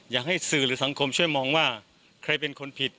อยากให้สื่อหรือสังคมช่วยมองว่าใครเป็นคนผิด